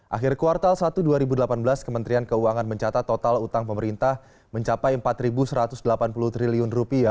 akhir kuartal satu dua ribu delapan belas kementerian keuangan mencatat total utang pemerintah mencapai rp empat satu ratus delapan puluh triliun